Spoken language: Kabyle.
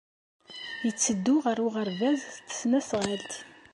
Yetteddu ɣer uɣerbaz s tesnasɣalt.